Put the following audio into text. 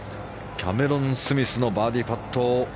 キャメロン・スミスのバーディーパット。